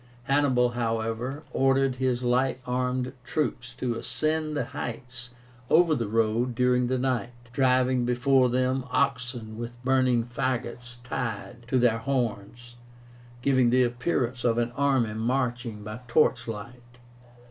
Hannibal, however, ordered his light armed troops to ascend the heights over the road during the night, driving before them oxen with burning fagots tied to their horns, giving the appearance of an army marching by torchlight.